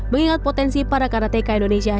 mengingat potensi para karateka indonesia